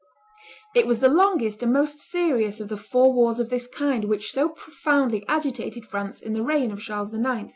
It was the longest and most serious of the four wars of this kind which so profoundly agitated France in the reign of Charles IX.